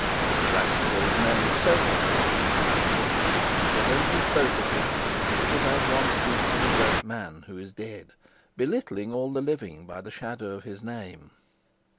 Mr. Rassendyll's name seldom passed his wife's lips, but when she spoke of him it was as one speaks of a great man who is dead, belittling all the living by the shadow of his name.